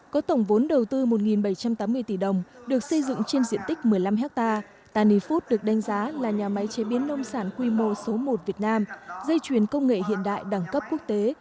có tổng vốn đầu tư một bảy trăm tám mươi tỷ đồng được xây dựng trên diện tích một mươi năm hectare tanny food được đánh giá là nhà máy chế biến nông sản quy mô số một việt nam dây chuyền công nghệ hiện đại đẳng cấp quốc tế